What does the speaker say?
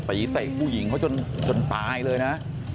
ตีแต่อีกผู้หญิงเขาจนตายเลยนะ